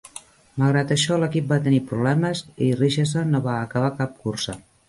Malgrat això, l'equip va tenir problemes, i Richeson no va acabar cap cursa.